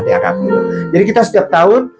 di akp jadi kita setiap tahun